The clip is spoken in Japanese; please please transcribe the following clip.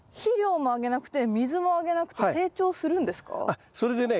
あっそれでね